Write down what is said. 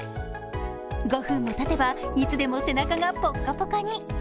５分もたてば、いつでも背中がぽかぽかに。